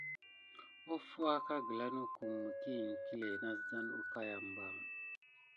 Offo akà gula nakum miki iŋklé nasane kiza wukayam anba.